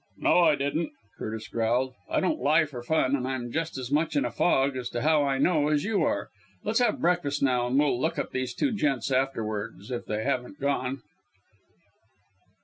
"No! I didn't," Curtis growled, "I don't lie for fun, and I'm just as much in a fog, as to how I know, as you are. Let's have breakfast now, and we'll look up these two gents afterwards, if they haven't gone."